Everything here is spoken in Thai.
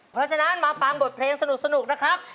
เพราะฉะนั้นมาฟังบทเพลงสนุกนะครับ